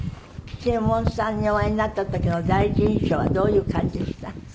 吉右衛門さんにお会いになった時の第一印象はどういう感じでした？